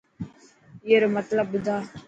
اي رو مطلب ٻڌا.